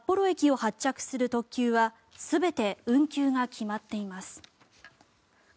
また、札幌駅を発着する特急便は運休が決まっています。